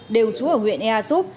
đều trú ở nguyện ea xúc